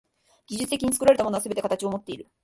技術的に作られたものはすべて形をもっている。